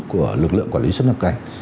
của lực lượng quản lý xuất nhập cảnh